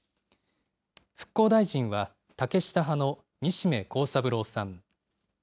復興大臣は竹下派の西銘恒三郎さん。